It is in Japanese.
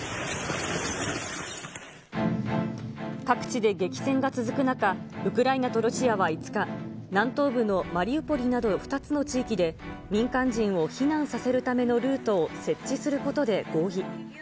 各地で激戦が続く中、ウクライナとロシアは５日、南東部のマリウポリなど２つの地域で、民間人を避難させるためのルートを設置することで合意。